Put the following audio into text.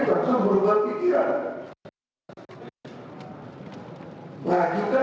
kalau tidak diperbedakan